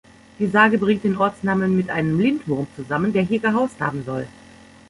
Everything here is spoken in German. Die Sage bringt den Ortsnamen mit einem Lindwurm zusammen, der hier gehaust haben soll.